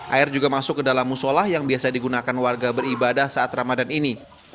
air juga masuk ke dalam musolah yang biasa digunakan warga beribadah saat ramadan ini